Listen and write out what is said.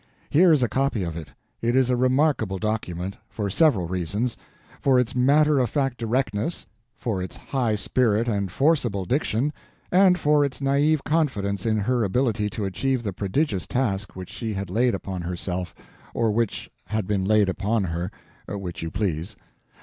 Here is a copy of it. It is a remarkable document, for several reasons: for its matter of fact directness, for its high spirit and forcible diction, and for its naive confidence in her ability to achieve the prodigious task which she had laid upon herself, or which had been laid upon her—which you please.